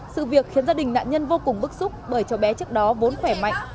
sự việc khiến gia đình nạn nhân vô cùng bức xúc bởi cháu bé trước đó vốn khỏe mạnh